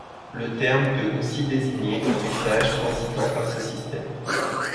Le terme peut aussi désigner un message transitant par ce système.